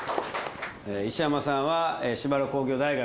石山さんは芝浦工業大学。